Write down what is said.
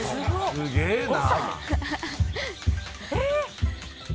すげえな。